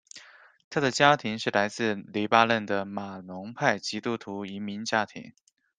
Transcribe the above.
他的家庭是来自黎巴嫩的马龙派基督徒移民家庭。